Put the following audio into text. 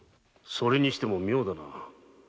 それにしても妙だ。